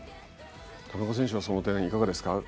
田中選手はその点いかがですか？